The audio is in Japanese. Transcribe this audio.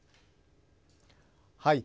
はい。